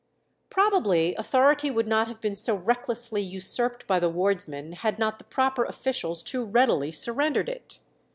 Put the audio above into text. Probably authority would not have been so recklessly usurped by the wardsmen had not the proper officials too readily surrendered it.